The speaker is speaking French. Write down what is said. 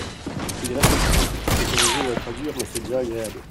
il reste encore quelques trucs à corriger ou à traduire mais c'est déjà agréable.